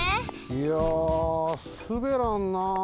いやすべらんな。